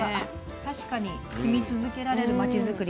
確かに「住み続けられるまちづくり」。